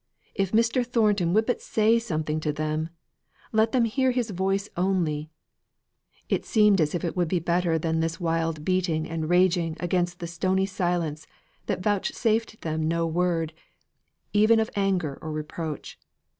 If Mr. Thornton would but say something to them let them hear his voice only it seemed as if it would be better than this wild beating and raging against the stony silence that vouchsafed them no word, even of anger or reproach.